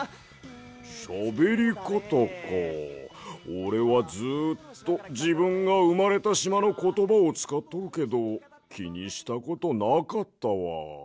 おれはずっとじぶんがうまれたしまのことばをつかっとるけどきにしたことなかったわ。